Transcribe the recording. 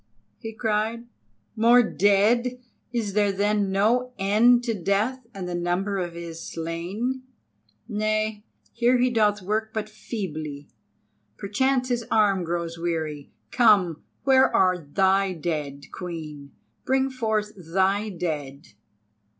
he cried, "more dead! Is there then no end to Death and the number of his slain? Nay, here he doth work but feebly. Perchance his arm grows weary. Come, where are thy dead, Queen? Bring forth thy dead!"